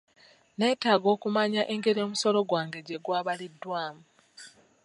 Nneetaaga okumanya engeri omusolo gwange gye gwabaliddwamu.